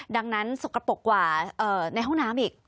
ดังนั้นสกปรกกว่าในห้องน้ำอีก